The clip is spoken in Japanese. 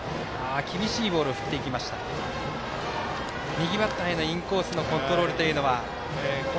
右バッターへのインコースのコントロールというのは。